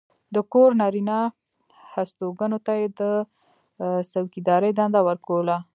د کور نارینه هستوګنو ته یې د څوکېدارۍ دنده ورکوله.